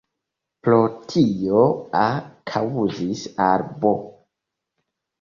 Pro tio, "A" kaŭzis al "B.